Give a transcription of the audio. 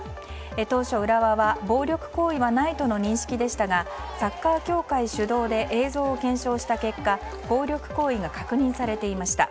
当初、浦和は暴力行為はないとの認識でしたがサッカー協会主導で映像を検証した結果暴力行為が確認されていました。